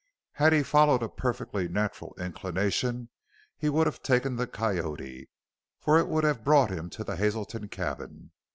Had he followed a perfectly natural inclination he would have taken the Coyote, for it would have brought him to the Hazelton cabin.